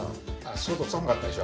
外寒かったでしょ？